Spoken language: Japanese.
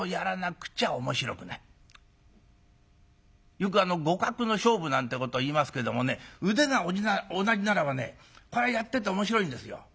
よく互角の勝負なんてことを言いますけどもね腕が同じならばねこれはやってて面白いんですよ。